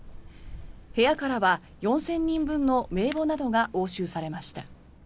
部屋からは４０００人分の名簿などが押収されました。